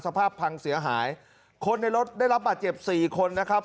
สภาพพังเสียหายคนในรถได้รับบาดเจ็บสี่คนนะครับ